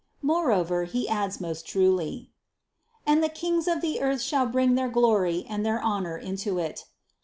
Moreover he adds most truly: 302. "And the kings of the earth shall bring their glory and their honor into it."